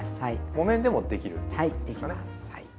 木綿でもできるんですかね？